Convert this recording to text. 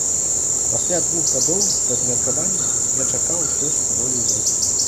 Пасля двух гадоў размеркавання я чакаю ўсё ж болей досведу.